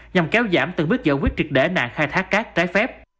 nhằm kéo giảm từng bước giải quyết trực đẩy nạn khai thác các trái phép